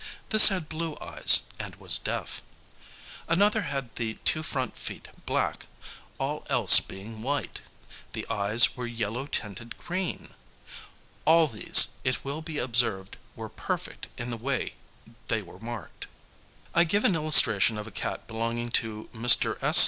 This had blue eyes, and was deaf. Another had the two front feet black, all else being white; the eyes were yellow tinted green. All these, it will be observed, were perfect in the way they were marked. I give an illustration of a cat belonging to Mr. S.